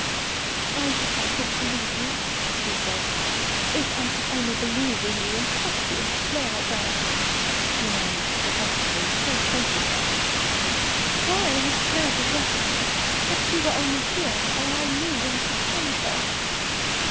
"I wish I could believe you," she said. "If I could only believe in you and trust you as Claire does," she murmured pathetically, still tortured by doubt. "Why has Claire deserted me? If she were only here, or I knew where to find her!"